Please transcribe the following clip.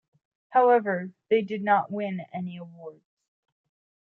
However, they did not win any awards.